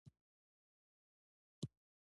لوستونکي د هغه د کتابونو پر مټ لوړو پوړيو ته ورسېدل